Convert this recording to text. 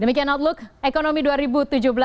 demikian outlook ekonomi indonesia di indonesia